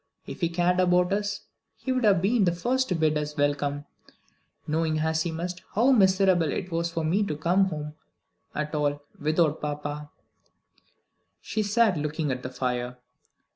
If he cared about us, he would have been the first to bid us welcome; knowing, as he must, how miserable it was for me to come home at all without papa!" She sat looking at the fire.